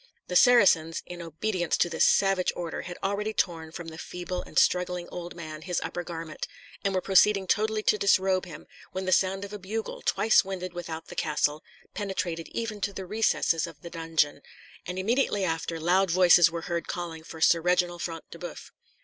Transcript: The Saracens, in obedience to this savage order, had already torn from the feeble and struggling old man his upper garment, and were proceeding totally to disrobe him, when the sound of a bugle, twice winded without the castle, penetrated even to the recesses of the dungeon; and immediately after, loud voices were heard calling for Sir Reginald Front de Boeuf.